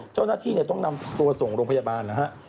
เจ้าหน้าที่ต้องนำตัวส่งโรงพยาบาลนะฮะ